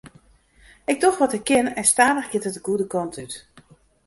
Ik doch wat ik kin en stadich giet it de goede kant út.